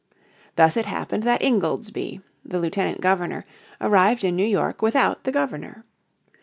Thus it happened that Ingoldsby, the Lieutenant Governor, arrived in New York without the Governor.